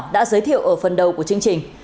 đã giới thiệu ở phần đầu của chương trình